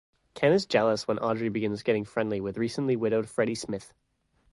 Ken is jealous when Audrey begins getting friendly with recently widowed Freddie Smith.